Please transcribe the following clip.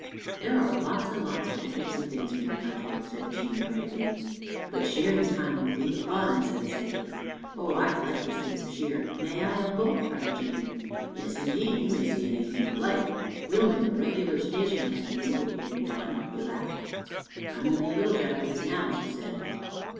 " There are lots and lots of interesting things in your country," said Jean brightly. " But shearing time will be the fun," said Sandy. " Oh, I'd like to see them shear. May I, Uncle? " cried Jean. " Yes, indeed, you may see anything you like. 58 Our Little Australian Cousin We'll make a regular station hand of you before you are done," he laughed. " I'm only a little jackaroo now," she said.